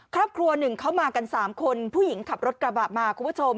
ครอบครัวหนึ่งเข้ามากัน๓คนผู้หญิงขับรถกระบะมาคุณผู้ชม